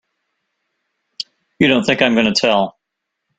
You don't think I'm gonna tell!